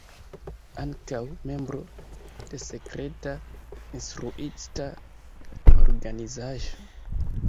Ankaŭ membro de Sekreta Instruista Organizaĵo.